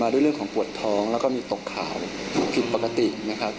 ด้วยเรื่องของปวดท้องแล้วก็มีตกข่าวผิดปกตินะครับ